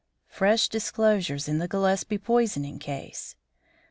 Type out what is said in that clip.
"Fresh disclosures in the Gillespie Poisoning Case.